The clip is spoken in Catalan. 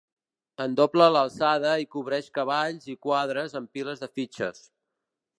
En dobla l'alçada i cobreix cavalls i quadres amb piles de fitxes.